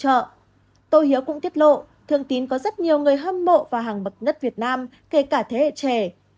nhạc sĩ tô hiếu cũng tiết lộ thương tín có rất nhiều người hâm mộ và hàng mật nhất việt nam kể cả thế hệ trẻ